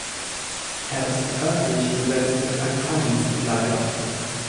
Er ist örtlich besetzt mit einem Fahrdienstleiter.